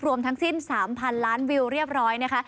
ทั้งสิ้น๓๐๐๐ล้านวิวเรียบร้อยนะคะ